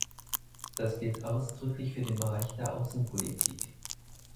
Das gilt ausdrücklich für den Bereich der Außenpolitik.